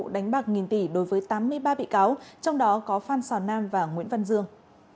tòa án đánh bạc nghìn tỷ đối với tám mươi ba bị cáo trong đó có phan sò nam và nguyễn văn dương